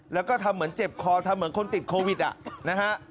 แล้วก็ทำเหมือนเจ็บคอทำเหมือนคนติดโควิดนะฮะ